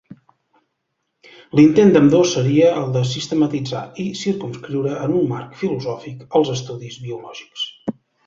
L'intent d'ambdós seria el de sistematitzar i circumscriure en un marc filosòfic als estudis biològics.